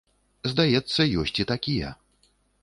Здаецца, ёсць і такія.